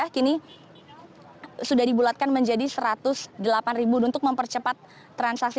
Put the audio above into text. kini sudah dibulatkan menjadi rp satu ratus delapan untuk mempercepat transaksi